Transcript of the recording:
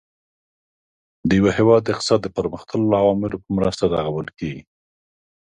د یو هیواد اقتصاد د مختلفو عواملو په مرسته رغول کیږي.